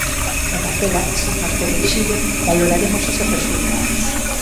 E daquela, señor Cereixido, valoraremos eses resultados.